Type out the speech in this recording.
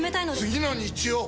次の日曜！